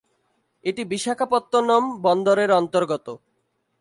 এটি বিশাখাপত্তনম বন্দরের অন্তর্গত।